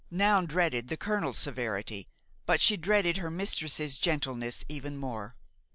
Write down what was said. Noun dreaded the colonel's severity, but she dreaded her mistress's gentleness even more.